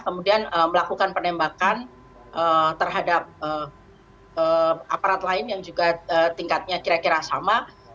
kemudian melakukan penembakan terhadap aparat lain yang juga tingkatnya kira kira sama